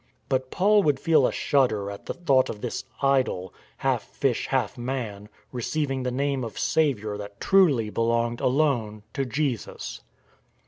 But Paul would feel a shudder at the thought of this idol, half fish, half man, receiving the name of Saviour that truly belonged alone to Jesus.